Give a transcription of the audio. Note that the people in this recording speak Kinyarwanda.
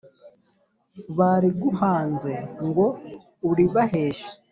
bariguhanze ngo uribaheshe